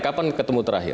kapan ketemu terakhir